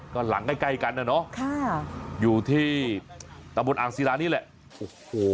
ก็หลังใกล้ใกล้กันนะเนาะอยู่ที่ตะบนอ่างศิลานี่แหละโอ้โห